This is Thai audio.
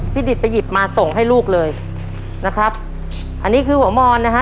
ดิตไปหยิบมาส่งให้ลูกเลยนะครับอันนี้คือหัวมอนนะฮะ